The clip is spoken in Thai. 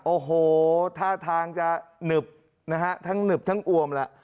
โอ้โหท่าทางจะหนึบนะฮะทั้งหนึบทั้งอวมแล้ว